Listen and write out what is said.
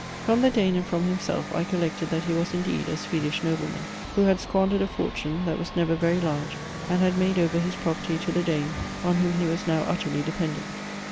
From the Dane and from himself I collected that he was indeed a Swedish nobleman, who had squandered a fortune, that was never very large, and had made over his property to the Dane, on whom he was now utterly dependent.